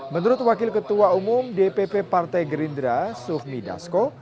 menurut wakil ketua umum dpp partai gerindra sufmi dasko